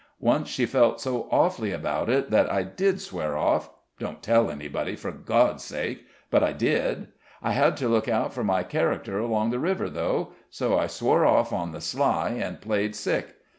Once she felt so awfully about it that I did swear off don't tell anybody, for God's sake! but I did. I had to look out for my character along the river, though; so I swore off on the sly, and played sick.